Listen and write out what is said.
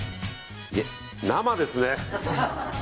いや、生ですね。